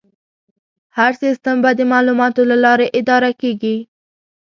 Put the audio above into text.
هر سیستم به د معلوماتو له لارې اداره کېږي.